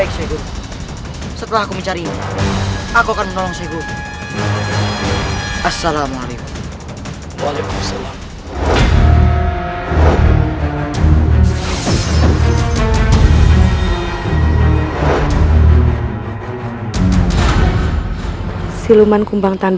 ibu unda bagaimana mungkin